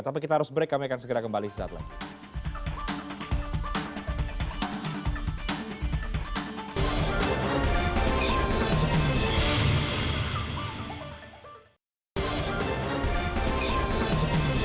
tapi kita harus break kami akan segera kembali sesaat lagi